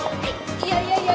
いやいやいや。